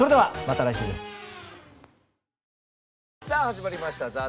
さあ始まりました